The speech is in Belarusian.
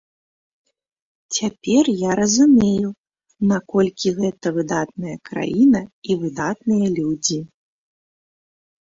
Цяпер я разумею, наколькі гэта выдатная краіна і выдатныя людзі.